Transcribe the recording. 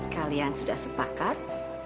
kalian sudah sepakat